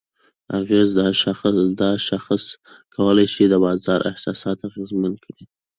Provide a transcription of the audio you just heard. اغېز: دا شاخص کولی شي د بازار احساسات اغیزمن کړي؛